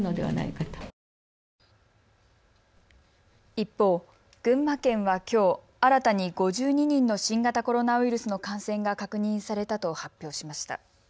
一方、群馬県はきょう新たに５２人の新型コロナウイルスの感染が確認されたと発表しました。